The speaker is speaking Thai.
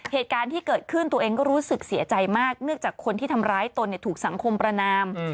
เหตุการณ์ที่เกิดขึ้นตัวเองก็รู้สึกเสียใจมากเนื่องจากคนที่ทำร้ายตนถูกสังคมประนาม